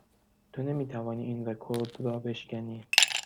تو نمی توانی این رکورد را بشکنی.